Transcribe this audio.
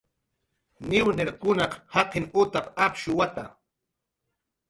"Niwniekunaq jaqin utap"" apshuwata"